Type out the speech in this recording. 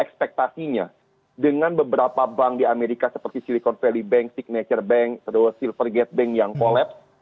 ekspektasinya dengan beberapa bank di amerika seperti silicon valley bank signature bank silver gate bank yang kolapse